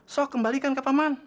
sok kembalikan ke pak man